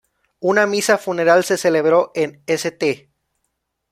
Una misa funeral se celebró en St.